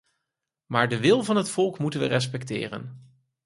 Maar de wil van het volk moeten we respecteren.